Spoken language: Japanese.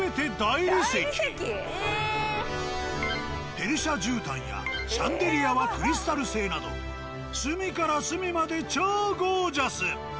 ペルシャ絨毯やシャンデリアはクリスタル製など隅から隅まで超ゴージャス。